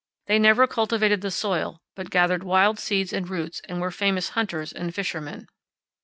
They never cultivated the soil, but gathered wild seeds and roots and were famous hunters and fishermen.